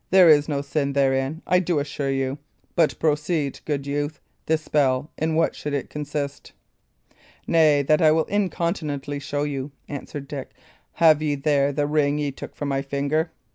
There is no sin therein, I do assure you. But proceed, good youth. This spell in what should it consist?" "Nay, that I will incontinently show you," answered Dick. "Have ye there the ring ye took from my finger?